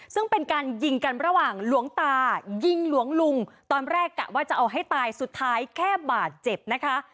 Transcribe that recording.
ซึ่งเป็นการยิงกันระหว่างหลวงตายิงหลวงลุงตอนแรกกะว่าจะเอาให้ตายสุดท้ายแค่บาดเจ็บนะคะ